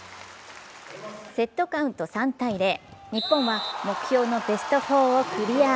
セットカウント３−０、日本は目標のベスト４をクリア。